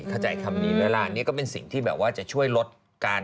เข้าใจคำนี้ไหมล่ะอันนี้ก็เป็นสิ่งที่แบบว่าจะช่วยลดการ